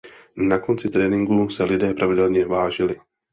Na konci tréninku se lidé pravidelně vážili.